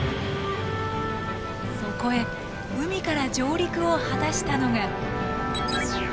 そこへ海から上陸を果たしたのが。